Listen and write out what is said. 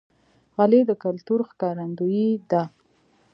غلۍ د کلتور ښکارندوی ده.